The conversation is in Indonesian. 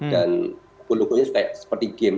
dan kode kode itu seperti game